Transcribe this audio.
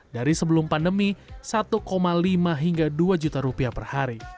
dari sebelum pandemi satu lima hingga dua juta rupiah per hari